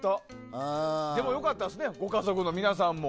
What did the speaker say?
でも、良かったですねご家族の皆さんも。